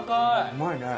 うまいね。